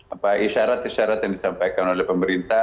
apa isyarat isyarat yang disampaikan oleh pemerintah